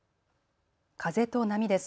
風と波です。